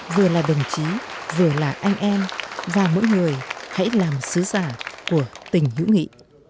vừa là đồng chí vừa là anh em và mỗi người hãy làm sứ giả của tình hữu nghị